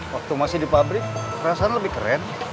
waktu masih di pabrik perasaan lebih keren